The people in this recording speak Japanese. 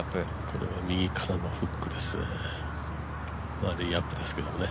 これは右からのフックですね。